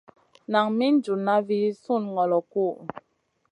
Nan min junʼna vi sùnŋolo kuhʼu.